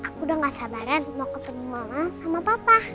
aku udah gak sabaran mau ketemu sama papa